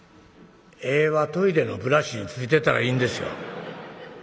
「柄はトイレのブラシについてたらいいんですよ。